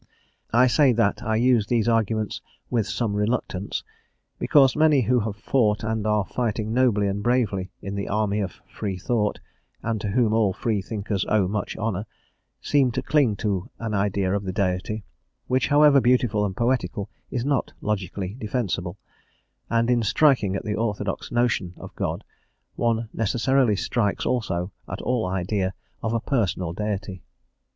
I say that I use these arguments "with some reluctance," because many who have fought and are fighting nobly and bravely in the army of freethought, and to whom all free thinkers owe much honour, seem to cling to an idea of the Deity, which, however beautiful and poetical, is not logically defensible, and in striking at the orthodox notion of God, one necessarily strikes also at all idea of a "Personal" Deity.